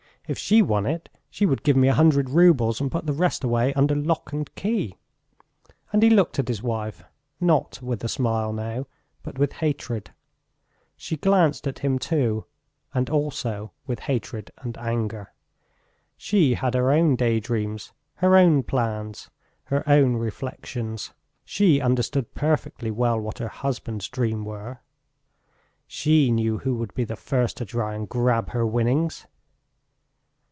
If she won it she would give me a hundred roubles, and put the rest away under lock and key." And he looked at his wife, not with a smile now, but with hatred. She glanced at him too, and also with hatred and anger. She had her own daydreams, her own plans, her own reflections; she understood perfectly well what her husband's dreams were. She knew who would be the first to try and grab her winnings.